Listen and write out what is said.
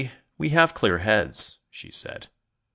we have clear heads," she said.